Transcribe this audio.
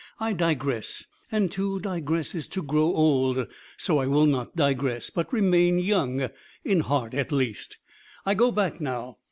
I digress, and to digress is to grow old, so I will not digress, but remain young, in heart at least. I go back now.